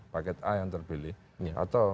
paket a yang terpilih atau